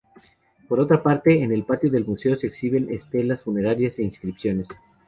Por otra parte, en el patio del museo se exhiben estelas funerarias e inscripciones.